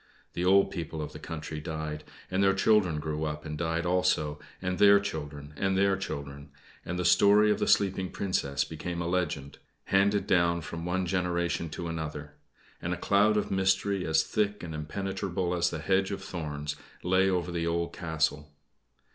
The old people of the country died, and their children grew up and died also, and their children, and their children, and the story of the sleeping Princess became a legend, handed down from one generation to another; and a cloud of mystery, as thick and impenetrable as the hedge of thorns, lay over the old castle.